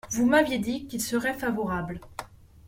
Vous m’aviez dit qu’il serait favorable.